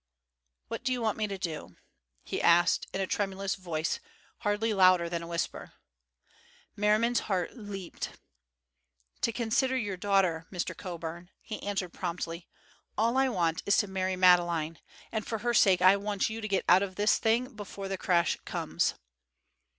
"What do you want me to do?" he asked, in a tremulous voice, hardly louder than a whisper. Merriman's heart leaped. "To consider your daughter, Mr. Coburn," he answered promptly. "All I want is to marry Madeleine, and for her sake I want you to get out of this thing before the crash comes."